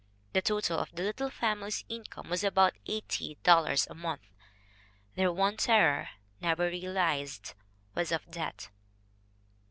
The total of the little family's income was about $80 a month. Their one terror never realized was of debt."